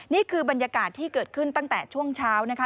นี่คือบรรยากาศที่เกิดขึ้นตั้งแต่ช่วงเช้านะคะ